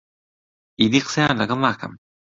ئیدی قسەیان لەگەڵ ناکەم.